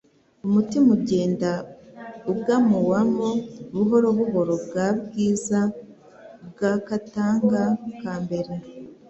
Umutima ugenda ugamuwamo buhoro buhoro bwa bwiza bwa katanga ka mbere.